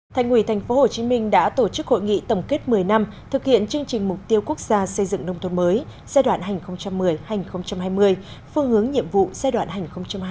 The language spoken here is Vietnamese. thành ủy tp hcm đã tổ chức hội nghị tổng kết một mươi năm thực hiện chương trình mục tiêu quốc gia xây dựng nông thôn mới giai đoạn hành một mươi hai nghìn hai mươi phương hướng nhiệm vụ giai đoạn hai nghìn hai mươi một hai nghìn hai mươi năm